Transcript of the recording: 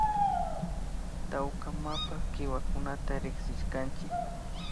Tawka mapa kiwakunata rikshishkanchik